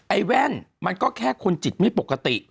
แว่นมันก็แค่คนจิตไม่ปกติ